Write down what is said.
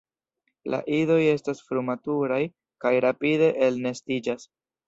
La idoj estas frumaturaj kaj rapide elnestiĝas.